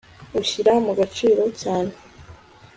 ushyira mu gaciro cyane